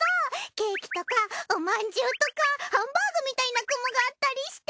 ケーキとかおまんじゅうとかハンバーグみたいな雲があったりして！